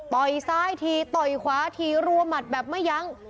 ซ้ายทีต่อยขวาทีรัวหมัดแบบไม่ยั้ง